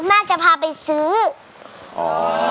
แม่จะพาไปซื้อ